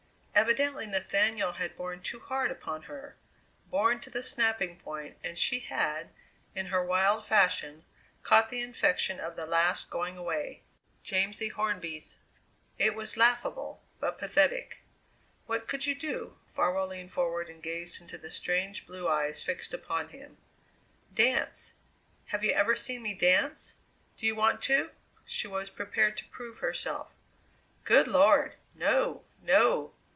Evidently Nathaniel had borne too hard upon her, borne to the snapping point, and she had, in her wild fashion, caught the infection of the last going away Jamsie Hornby's. It was laughable, but pathetic. "What could you do?" Farwell leaned forward and gazed into the strange blue eyes fixed upon him. "Dance. Have you ever seen me dance? Do you want to?" She was prepared to prove herself. "Good Lord! no, no!"